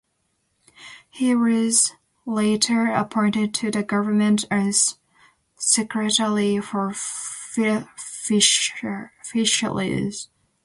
He was later appointed to the government as Secretary for Fisheries.